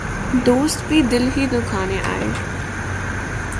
دوست بھی دل ہی دکھانے آئے